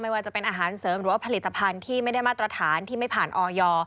ว่าจะเป็นอาหารเสริมหรือว่าผลิตภัณฑ์ที่ไม่ได้มาตรฐานที่ไม่ผ่านออย